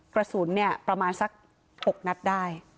กระสุนเนี่ยประมาณสัก๖นัดได้